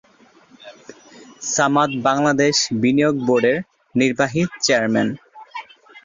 সামাদ বাংলাদেশ বিনিয়োগ বোর্ডের নির্বাহী চেয়ারম্যান।